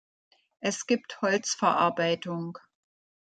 Es gibt Holzverarbeitung.